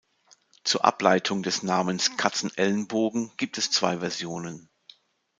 Zur Ableitung des Namens Katzenelnbogen gibt es zwei Versionen.